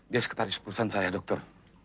dia sekitar di sepuluhan saya dokter